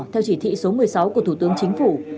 theo chỉ thị số một mươi sáu của thủ tướng chính phủ